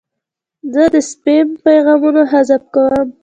زه د سپیم پیغامونه حذف کوم.